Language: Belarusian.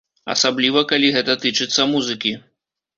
Асабліва, калі гэта тычыцца музыкі.